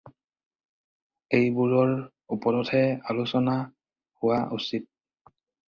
এইবোৰৰ ওপৰতহে আলোচনা হোৱা উচিত।